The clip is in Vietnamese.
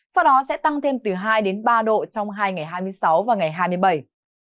sau đó sẽ tăng thêm từ hai đến ba độ trong hai ngày hai mươi sáu và ngày hai mươi bảy